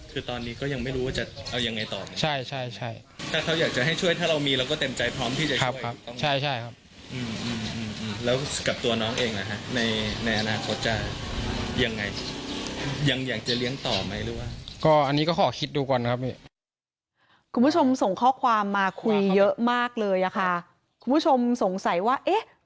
คือตอนนี้ก็ยังไม่รู้ว่าจะเอายังไงต่อไป